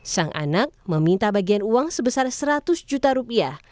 sang anak meminta bagian uang sebesar seratus juta rupiah